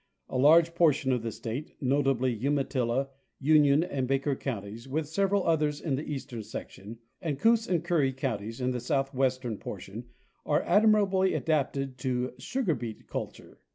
A large portion of the state, notably Umatilla, Union, and Baker counties, with several others in the eastern section, and Coos and Curry coun ties in the southwestern portion, are admirably adapted to sugar beet culture.